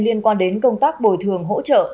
liên quan đến công tác bồi thường hỗ trợ